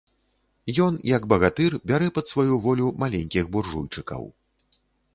Ён, як багатыр, бярэ пад сваю волю маленькіх буржуйчыкаў.